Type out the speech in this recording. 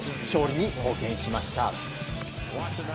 勝利に貢献しました。